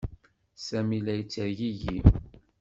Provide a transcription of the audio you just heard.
Sami la yettergigi.